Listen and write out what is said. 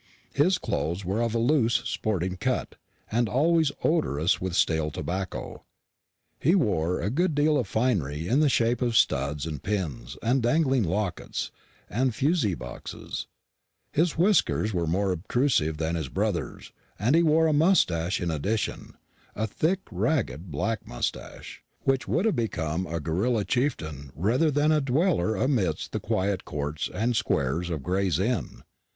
His clothes were of a loose sporting cut, and always odorous with stale tobacco. He wore a good deal of finery in the shape of studs and pins and dangling lockets and fusee boxes; his whiskers were more obtrusive than his brother's, and he wore a moustache in addition a thick ragged black moustache, which would have become a guerilla chieftain rather than a dweller amidst the quiet courts and squares of Gray's Inn.